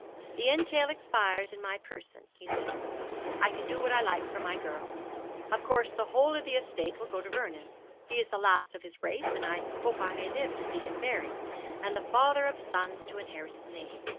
'The entail expires in my person,' he said; 'I can do what I like for my girl. Of course the whole of the estate will go to Vernon. He is the last of his race, and I hope I may live to see him married, and the father of sons to inherit his name.